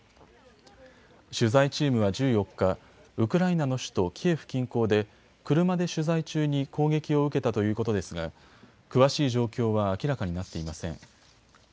取材チームは１４日、ウクライナの首都キエフ近郊で車で取材中に攻撃を受けたということですが詳しい状況は明らかになっていません。